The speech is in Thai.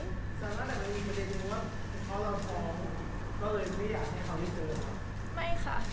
ซาร่าแต่มันไม่ได้รู้ว่าเพราะเราท้องก็เลยไม่อยากให้เขาไม่เจอเหรอ